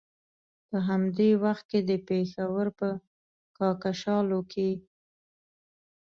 په همدې وخت کې د پېښور په کاکشالو کې.